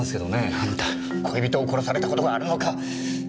あんた恋人を殺された事があるのか！？